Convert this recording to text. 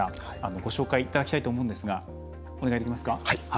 ご紹介いただきたいと思うんですが、お願いできますか。